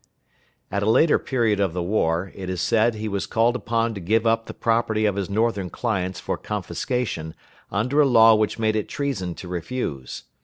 _" At a later period of the war, it is said he was called upon to give up the property of his Northern clients for confiscation, under a law which made it treason to refuse.